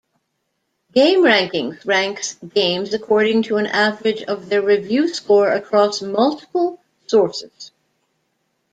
GameRankings ranks games according to an average of their review score across multiple sources.